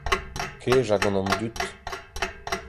Kejañ gant an dud.